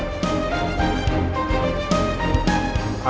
anda justru ingin mencari pembunuh roy